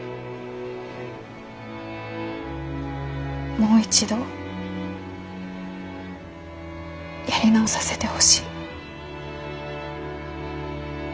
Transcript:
もう一度やり直させてほしい。